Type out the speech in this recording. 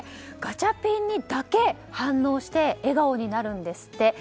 ガチャピンにだけ反応して笑顔になるんですって。